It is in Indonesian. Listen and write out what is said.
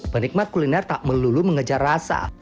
penikmat kuliner tak melulu mengejar rasa